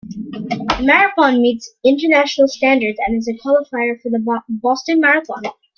The marathon meets international standards and is a qualifier for the Boston Marathon.